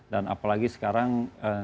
dan apalagi sekarang